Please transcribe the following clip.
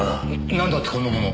なんだってこんなものを？